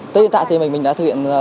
tới hiện tại thì mình đã thực hiện